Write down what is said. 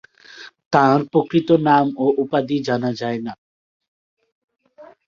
তাঁর প্রকৃত নাম ও উপাধি জানা যায় না।